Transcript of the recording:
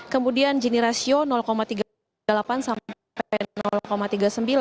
kemudian jenis rasio tiga puluh delapan sampai tiga puluh sembilan